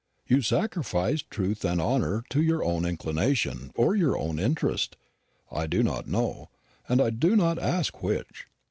You sacrificed truth and honour to your own inclination, or your own interest, I do not know, and do not ask which.